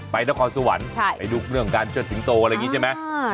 ไปนครสวรรค์ไปดูการเชิดสิงโตอะไรอย่างนี้ใช่ไหมใช่